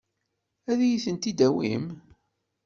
Ad iyi-tent-id-tawim?